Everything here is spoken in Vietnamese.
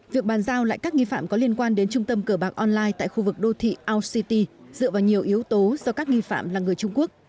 việc bàn giao lại các nghi phạm có liên quan đến trung tâm cửa bạc online tại khu vực đô thị our city dựa vào nhiều yếu tố do các nghi phạm là người trung quốc